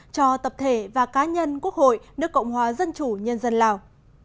cho tập thể và cá nhân quốc hội nước cộng hòa dân chủ nhân dân lào